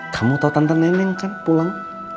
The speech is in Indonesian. kamu tau tante neneng kan pulang